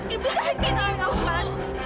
ibu sakit ayah